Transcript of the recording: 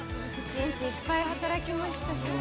１日いっぱい働きましたしね。